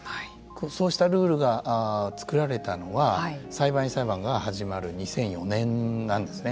そうしたルールが作られたのは裁判員裁判が始まる２００４年なんですね。